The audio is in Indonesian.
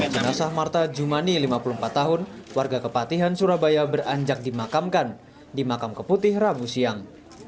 jenazah marta jumani lima puluh empat tahun warga kepatihan surabaya beranjak dimakamkan di makam keputih rabu siang